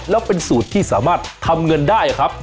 แล้วเป็นสูตรที่สามารถทำเงินได้ครับ